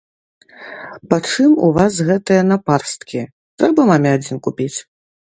Пачым у вас гэтыя напарсткі, трэба маме адзін купіць?